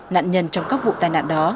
nạn nhân trong các vụ tai nạn đó